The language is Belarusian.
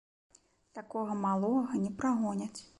Такога малога не прагоняць.